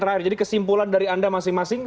terakhir jadi kesimpulan dari anda masing masing